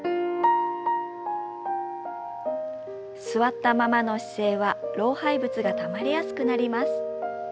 座ったままの姿勢は老廃物がたまりやすくなります。